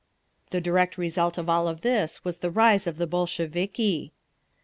The direct result of all this was the rise of the Bolsheviki….